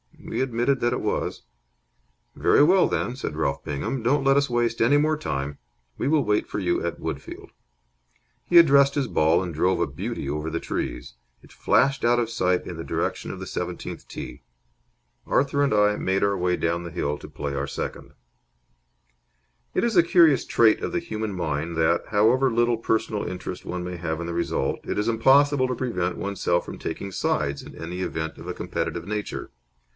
We admitted that it was. "Very well, then," said Ralph Bingham. "Don't let us waste any more time. We will wait for you at Woodfield." He addressed his ball, and drove a beauty over the trees. It flashed out of sight in the direction of the seventeenth tee. Arthur and I made our way down the hill to play our second. It is a curious trait of the human mind that, however little personal interest one may have in the result, it is impossible to prevent oneself taking sides in any event of a competitive nature.